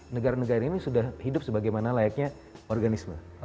negara negara ini sudah hidup sebagaimana layaknya organisme